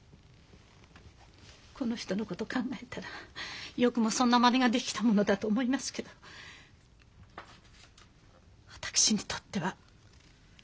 この人のこと考えたらよくもそんなまねができたものだと思いますけど私にとってはやっぱり血を分けた孫。